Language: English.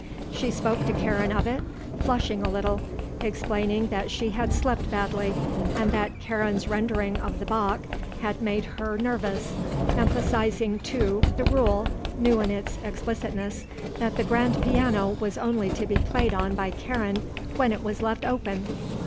She spoke to Karen of it, flushing a little, explaining that she had slept badly and that Karen's rendering of the Bach had made her nervous, emphasizing, too, the rule, new in its explicitness, that the grand piano was only to be played on by Karen when it was left open.